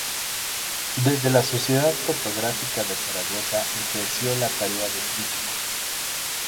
Desde la Sociedad Fotográfica de Zaragoza ejerció la tarea de crítico.